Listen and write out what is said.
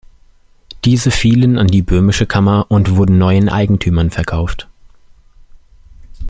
Diese fielen an die Böhmische Kammer und wurden neuen Eigentümern verkauft.